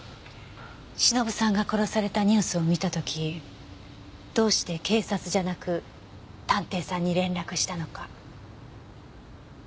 忍さんが殺されたニュースを見た時どうして警察じゃなく探偵さんに連絡したのか。